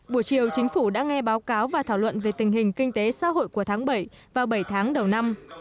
buổi chiều chính phủ đã nghe báo cáo và thảo luận về tình hình kinh tế xã hội của tháng bảy và bảy tháng đầu năm